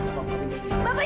gak usah ya